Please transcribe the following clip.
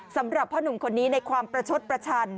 สำหรับพ่อหนุ่มคนนี้ในความประชดประชัน